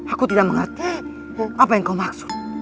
aku tidak mengerti apa yang kau maksud